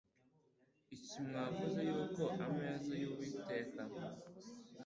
iki Mwavuze yuko ameza y Uwiteka